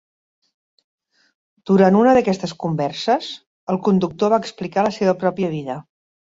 Durant una d'aquestes converses, el conductor va explicar la seva pròpia vida.